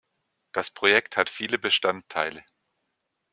Das Projekt hat viele Bestandteile.